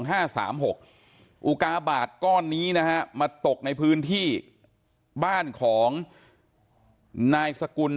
แอวกาบาทตกมาตกในพื้นที่บ้านของทางรักก้อน